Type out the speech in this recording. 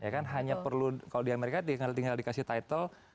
kalau di amerika tinggal dikasih title